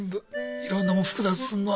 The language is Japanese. いろんなもん複雑にすんのは。